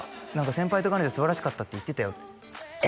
「『先輩と彼女』すばらしかったって言ってたよ」って「え！」